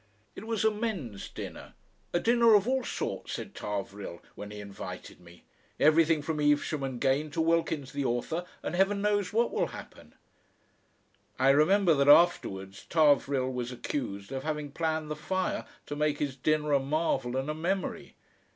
It was a men's dinner "A dinner of all sorts," said Tarvrille, when he invited me; "everything from Evesham and Gane to Wilkins the author, and Heaven knows what will happen!" I remember that afterwards Tarvrille was accused of having planned the fire to make his dinner a marvel and a memory.